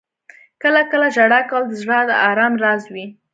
• کله کله ژړا کول د زړه د آرام راز وي.